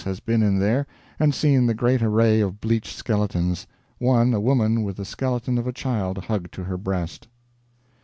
has been in there and seen the great array of bleached skeletons one a woman with the skeleton of a child hugged to her breast."